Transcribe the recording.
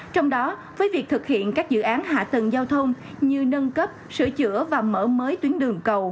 trong đó với việc thực hiện các dự án hạ tầng giao thông như nâng cấp sửa chữa và mở mới tuyến đường cầu